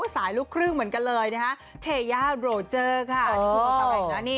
สายลูกครึ่งเหมือนกันเลยทะยาโรเจอร์ค่ะ